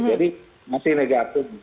jadi masih negatif